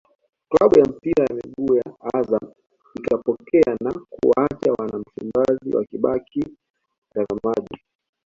klabu ya mpira wa miguu ya Azam ikapokea na kuwaacha wana Msimbazi wakibaki watazamaji